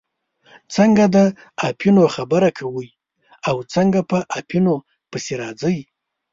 څنګه د اپینو خبره کوئ او څنګه په اپینو پسې راځئ.